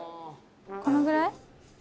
このぐらい？